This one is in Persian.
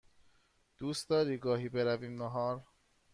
دوست داری گاهی برویم نهار؟